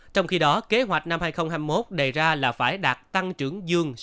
trong khi đó kế hoạch năm hai nghìn hai mươi một đề ra là phải đạt được tổng cộng của tp hcm